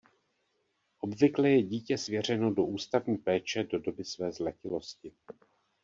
Obvykle je dítě svěřeno do ústavní péče do doby své zletilosti.